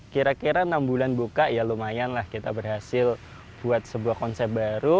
kira kira enam bulan buka ya lumayan lah kita berhasil buat sebuah konsep baru